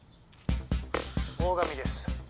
大神です。